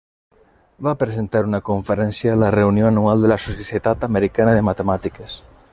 Va presentar una conferència a la reunió anual de la Societat Americana de Matemàtiques.